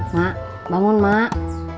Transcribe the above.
mak bangun mak